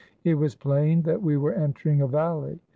It was plain that we were entering a val ley.